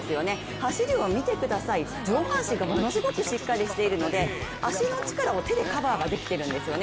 走りを見てください、上半身がものすごくしっかりしているので足の力を手でカバーをできているんですよね。